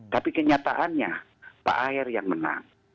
tapi kenyataannya pak aher yang menang